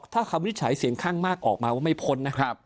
ถ้าคำวินิจฉัยเสียงข้างมากออกมาว่าไม่พ้นนะครับ